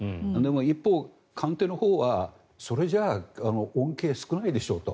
一方、官邸のほうはそれじゃ恩恵が少ないでしょうと。